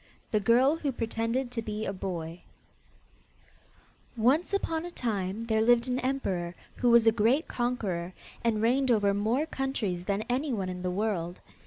THE GIRL WHO PRETENDED TO BE A BOY Once upon a time there lived an emperor who was a great conqueror, and reigned over more countries than anyone in the world.